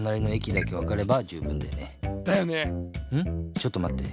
ちょっとまって。